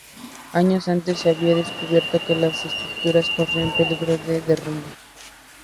Años antes se había descubierto que las estructuras corrían peligro de derrumbe.